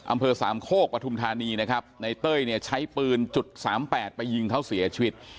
อำเภอสามโคกปฐุมธานีนะครับในเต้ยเนี่ยใช้ปืนจุดสามแปดไปยิงเขาเสียชีวิต